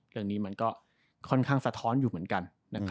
เรื่องนี้มันก็ค่อนข้างสะท้อนอยู่เหมือนกัน